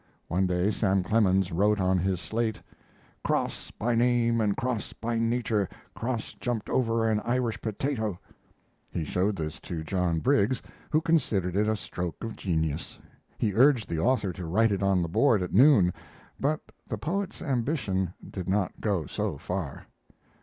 One day Sam Clemens wrote on his slate: Cross by name and cross by nature Cross jumped over an Irish potato. He showed this to John Briggs, who considered it a stroke of genius. He urged the author to write it on the board at noon, but the poet's ambition did not go so far.